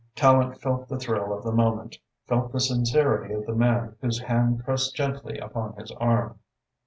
Tallente felt the thrill of the moment, felt the sincerity of the man whose hand pressed gently upon his arm.